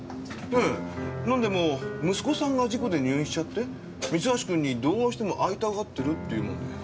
ええなんでも息子さんが事故で入院しちゃって三橋くんにどうしても会いたがってるって言うもんで。